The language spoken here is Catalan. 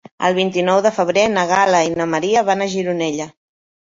El vint-i-nou de febrer na Gal·la i na Maria van a Gironella.